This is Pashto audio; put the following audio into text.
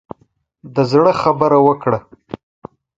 د زړه خبره وکړه.